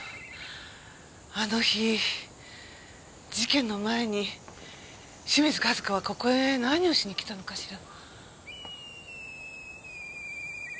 あの日事件の前に清水和子はここへ何をしに来たのかしら？